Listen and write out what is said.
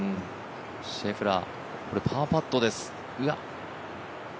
シェフラー、パーパットです。